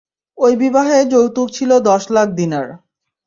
ঐ বিবাহে যৌতুক ছিল দশ লাখ দীনার।